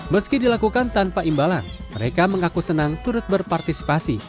meski dilakukan tanpa imbalan mereka mengaku senang turut berpartisipasi